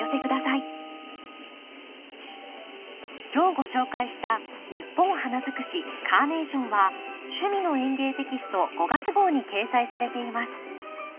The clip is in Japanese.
今日ご紹介した「ニッポン花づくしカーネーション」は「趣味の園芸」テキスト５月号に掲載されています。